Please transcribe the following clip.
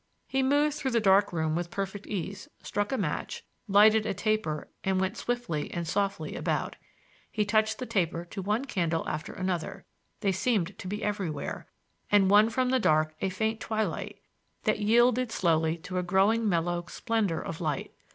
He moved through the dark room with perfect ease, struck a match, lighted a taper and went swiftly and softly about. He touched the taper to one candle after another,—they seemed to be everywhere,—and won from the dark a faint twilight, that yielded slowly to a growing mellow splendor of light.